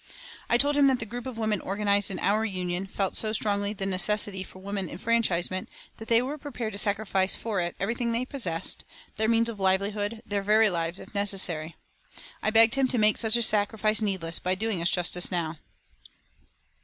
I told him that the group of women organised in our Union felt so strongly the necessity for women enfranchisement that they were prepared to sacrifice for it everything they possessed, their means of livelihood, their very lives, if necessary. I begged him to make such a sacrifice needless by doing us justice now.